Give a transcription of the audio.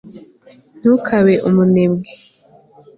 ntukabe umunebwe